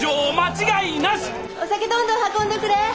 お酒どんどん運んどくれ。